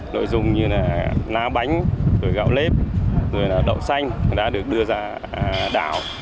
nội dung như lá bánh gạo lếp đậu xanh đã được đưa ra đảo